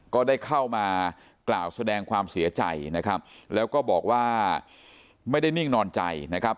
ก็ได้เข้ามากล่าวแสดงความเสียใจนะครับแล้วก็บอกว่าไม่ได้นิ่งนอนใจนะครับ